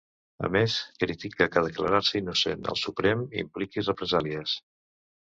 A més, critica que declarar-se innocent al Suprem impliqui represàlies.